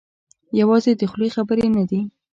یوازې د خولې خبرې نه دي.